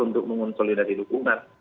untuk mengonsolidasi dukungan